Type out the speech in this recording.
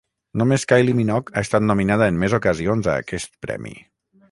Només Kylie Minogue ha estat nominada en més ocasions a aquest premi.